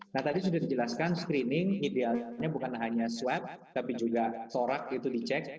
nah tadi sudah dijelaskan screening idealnya bukan hanya swab tapi juga sorak itu dicek